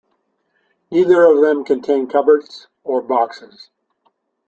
Neither of them contain cupboards or boxes.